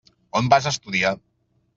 On vas estudiar?